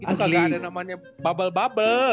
itu kagak ada yang namanya bubble bubble